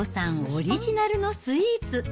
オリジナルのスイーツ。